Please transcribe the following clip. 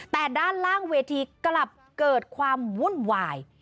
แต่ด้านล่างเวทีกลับเกิดความวุ่นวาย